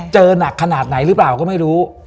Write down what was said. หนักขนาดไหนหรือเปล่าก็ไม่รู้